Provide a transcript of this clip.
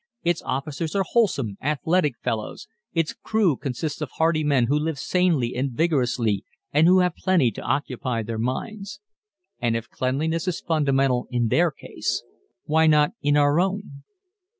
Its officers are wholesome, athletic fellows; its crew consists of hardy men who live sanely and vigorously and who have plenty to occupy their minds. And if cleanliness is fundamental in their case why not in our own?